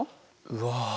うわ。